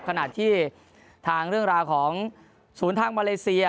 ขณะที่ทางเรื่องราวของศูนย์ทางมาเลเซีย